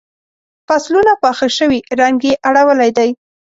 فصلونه پاخه شوي رنګ یې اړولی دی.